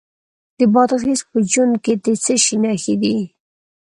د بادغیس په جوند کې د څه شي نښې دي؟